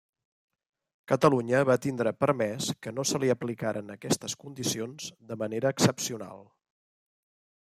Catalunya va tindre permés que no se li aplicaren aquestes condicions de manera excepcional.